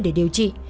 để điều trị